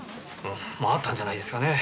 まああったんじゃないですかね。